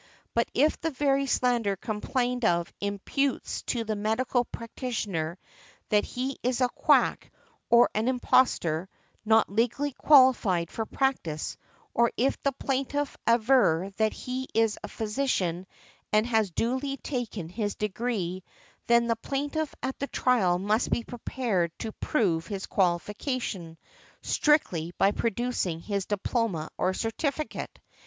But if the very slander complained of imputes to the medical practitioner that he is a quack or an impostor, not legally qualified for practice; or if the plaintiff aver that he is a physician and has duly taken his degree, then the plaintiff at the trial must be prepared to prove his qualification strictly by producing his diploma or certificate.